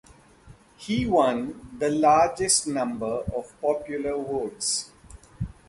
He won the largest number of popular votes.